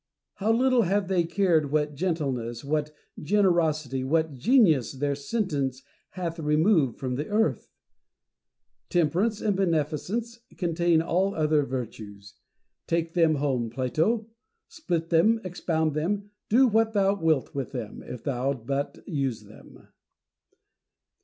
how little have they cared what gentleness, what generosity, what genius, their sentence hath removed from the earth ! Temperance and beneficence contain all other virtues. Take them home, Plato ; split them, expound them ; do what thou wilt with them, if thou but use them.